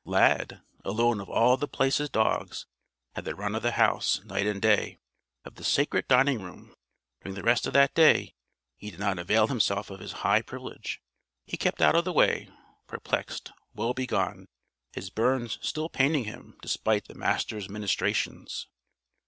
Lad, alone of all The Place's dogs, had the run of the house, night and day, of the sacred dining room. During the rest of that day he did not avail himself of his high privilege. He kept out of the way perplexed, woe begone, his burns still paining him despite the Master's ministrations.